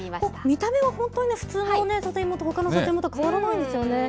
見た目は本当に普通の里芋と、ほかの里芋と変わらないですよね。